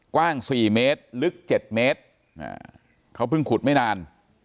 กว้าง๔เมตรลึก๗เมตรเขาเพิ่งขุดไม่นาน